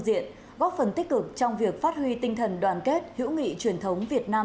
diện góp phần tích cực trong việc phát huy tinh thần đoàn kết hữu nghị truyền thống việt nam